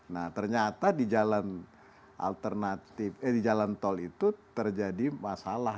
nah ternyata di jalan alternatif eh di jalan tol itu terjadi masalah